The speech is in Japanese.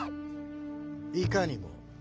いかにも。